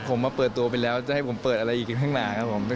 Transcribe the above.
ผมมาเปิดตัวไปแล้วจะให้ผมเปิดอะไรอีกข้างหน้าครับผม